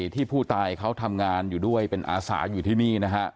ที่ผู้ตายเขาทำงานอยู่ด้วยเป็นอาสาอยู่ที่นี่นะฮะ